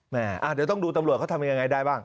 เดี๋ยวต้องดูตำรวจเขาทำยังไงได้บ้าง